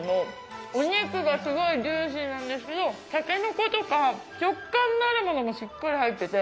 お肉がすごいジューシーなんですけどタケノコとか食感があるものもしっかり入ってて。